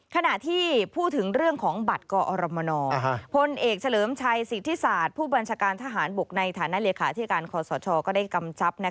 ขณะที่พูดถึงเรื่องของบัตรกอรมนพลเอกเฉลิมชัยสิทธิศาสตร์ผู้บัญชาการทหารบกในฐานะเลขาที่การคอสชก็ได้กำชับ